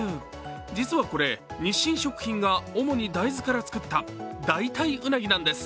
実はこれ、日清食品が主に大豆から作った代替うなぎなんです。